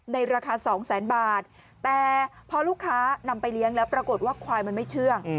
ราคาสองแสนบาทแต่พอลูกค้านำไปเลี้ยงแล้วปรากฏว่าควายมันไม่เชื่อง